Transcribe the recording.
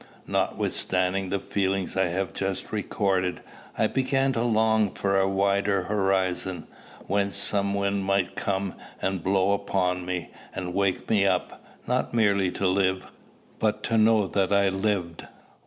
Notwithstanding the feelings I have just recorded, I began to long for a wider horizon, whence some wind might come and blow upon me, and wake me up, not merely to live, but to know that I lived.